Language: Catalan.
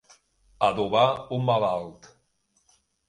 Adobar un malalt.